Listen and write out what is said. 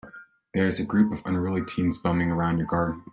There's a group of unruly teens bumming around in your garden.